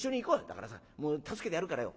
だからさ助けてやるからよ」。